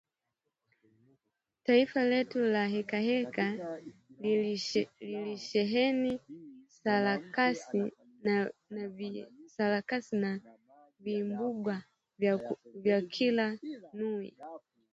Taifa letu la Hekaheka lilisheheni Sarakasi na vimbwaga vya kila nui